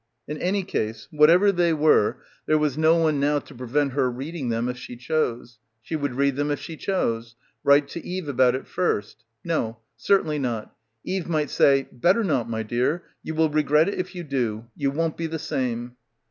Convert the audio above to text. In any case, whatever they were, there was no one now to prevent her reading them if she chose. She would read them if she chose. Write to Eve about it first. No. Cer tainly not. Eve might say "Better not, my dear. You will regret it if you do. You won't be the same."